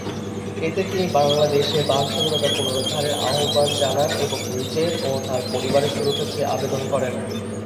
এতে তিনি বাংলাদেশে বাক স্বাধীনতা পুনরুদ্ধারের আহ্বান জানান এবং নিজের ও তার পরিবারের সুরক্ষা চেয়ে আবেদন করেন।